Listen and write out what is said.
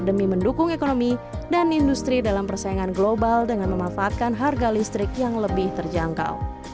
demi mendukung ekonomi dan industri dalam persaingan global dengan memanfaatkan harga listrik yang lebih terjangkau